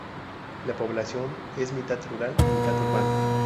La población es mitad rural y mitad urbana.